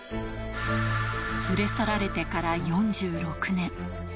連れ去られてから４６年。